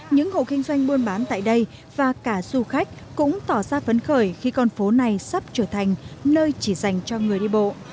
những hộ kinh doanh buôn bán tại đây và cả du khách cũng tỏ ra phấn khởi khi con phố này sắp trở thành nơi chỉ dành cho người đi bộ